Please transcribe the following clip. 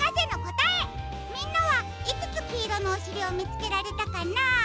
みんなはいくつきいろのおしりをみつけられたかな？